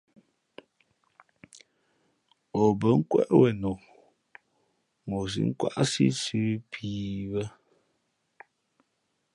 O bα̌ nkwéʼ wenok, mα o sǐʼ nkwáʼsí sə̌ pii bᾱ.